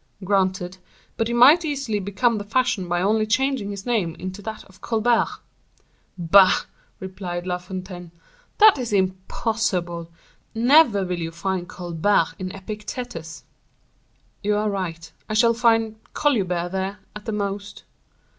"Granted, but he might easily become the fashion by only changing his name into that of Colbert." "Bah!" replied La Fontaine, "that is impossible. Never will you find Colbert in Epictetus." "You are right, I shall find—Coluber there, at the most."